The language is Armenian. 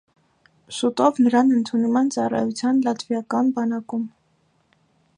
Շուտով նրան ընդունում են ծառայության լատվիական բանակում։